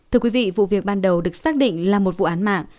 thưa quý vị vụ việc ban đầu được xác định là một vụ án mạng